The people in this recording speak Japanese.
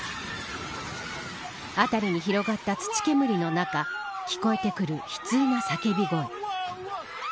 辺りに広がった土煙の中聞こえてくる悲痛な叫び声。